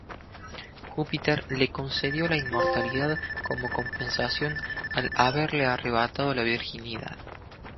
Júpiter le concedió la inmortalidad como compensación al haberle arrebatado la virginidad.